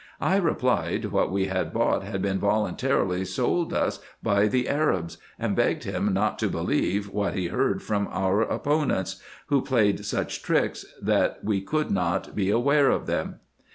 I replied, what we had bought had been voluntarily sold us by the Arabs, and begged him not to believe what he heard from our op IN EGYPT, NUBIA, See. 187 pbnents, who played such tricks, that we could not be aware of them.